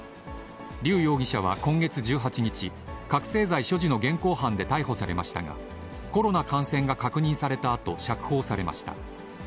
劉容疑者は今月１８日、覚醒剤所持の現行犯で逮捕されましたが、コロナ感染が確認されたあと、釈放されました。